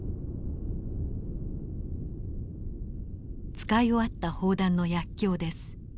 使い終わった砲弾の薬きょうです。